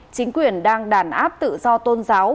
chính quyền đang đàn áp tự do tôn giáo